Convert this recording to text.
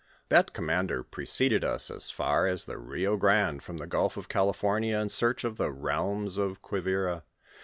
That commander proceeded as far as the Rio Grande from the gulf of California, in search of the realms of Quivira.